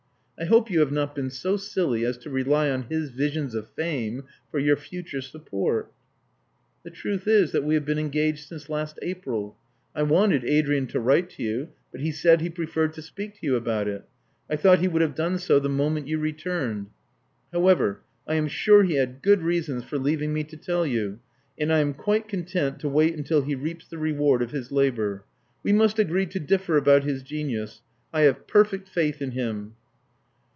I hope you have not been so silly as to rely on his visions of fame for your future support." •'The truth is that we have been engaged since last April. I wanted Adrian to write to you ; but he said he preferred to speak to you about it I thought he would have done so the moment you returned. How ever, I am sure he had good reasons for leaving me to tell you; and I am quite content to wait until he reaps the reward of his labor. We must agree to differ about his genius. I have perfect faith in him."